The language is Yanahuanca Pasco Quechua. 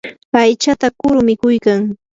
aychata kuru mikuykan.